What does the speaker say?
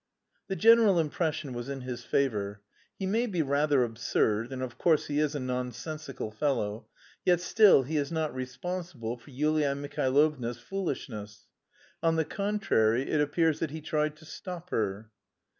The general impression was in his favour. "He may be rather absurd, and of course he is a nonsensical fellow, yet still he is not responsible for Yulia Mihailovna's foolishness. On the contrary, it appears that he tried to stop her."